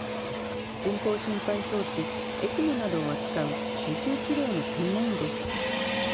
人工心肺装置・ＥＣＭＯなどを扱う集中治療の専門医です。